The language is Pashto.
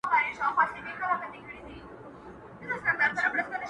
له خوب چي پاڅي، توره تياره وي,